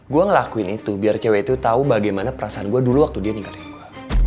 gue ngelakuin itu biar cewek itu tahu bagaimana perasaan gue dulu waktu dia ninggarin gue